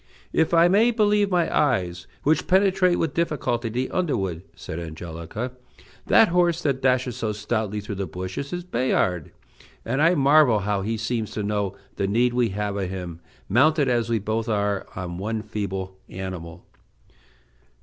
"If I may believe my eyes, which penetrate with difficulty the underwood," said Angelica, "that horse that dashes so stoutly through the bushes is Bayard, and I marvel how he seems to know the need we have of him, mounted as we are both on one feeble animal."